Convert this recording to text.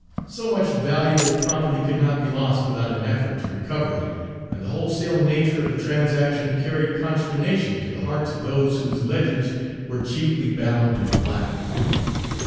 So much valuable property could not be lost without an effort to recover it, and the wholesale nature of the transaction carried consternation to the hearts of those whose ledgers were chiefly bound in black.